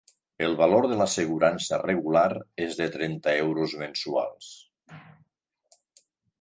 El valor de l'assegurança regular és de trenta euros mensuals.